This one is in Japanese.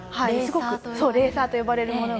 レーサーと呼ばれるもの。